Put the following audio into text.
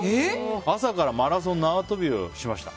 朝からマラソン縄跳びをしました。